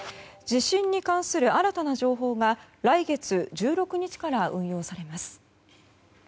地震に関する新たな情報が来月１６日から運用されます。